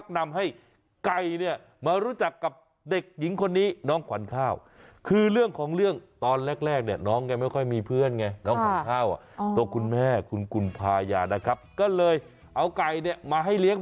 ไก่ก็ต้องตามไปด้วย